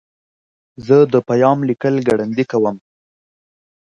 زه د پیام لیکل ګړندي کوم.